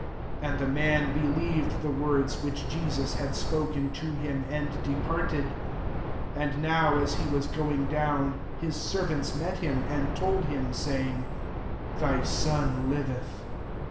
'' [And] the man be^ lieved the words which Jesus had spoken to him, and depart ed. 51 And now as he was going down, his servants met him, and told Atm, saying, " Thy son liveth."